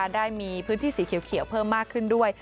ได้มีพื้นที่สีเขียวเพิ่มมากขึ้นด้วย